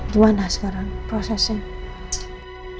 gimana sekarang prosesnya